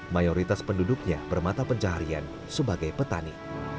mayoritas penduduknya bermata pencaharian sebagai petani